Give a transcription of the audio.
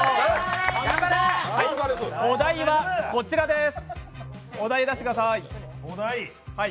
お題はこちらです。